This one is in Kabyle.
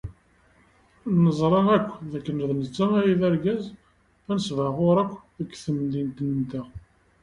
Neẓra akk dakken d netta ay d argaz anesbaɣur akk deg temdint-nteɣ.